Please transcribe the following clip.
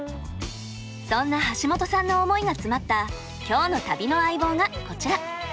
そんな橋本さんの思いが詰まった今日の旅の相棒がこちら。